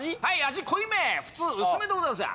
味濃いめ普通薄めとございますが？